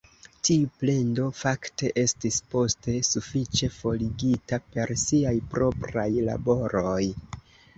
Tiu plendo fakte estis poste sufiĉe forigita per siaj propraj laboroj.